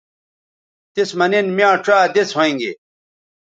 تس مہ نن میاں ڇا دس ھوینگے